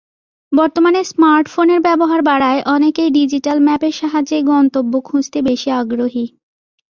বর্তমানে স্মার্টফোনের ব্যবহার বাড়ায় অনেকেই ডিজিটাল ম্যাপের সাহায্যেই গন্তব্য খুঁজতে বেশি আগ্রহী।